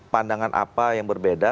pandangan apa yang berbeda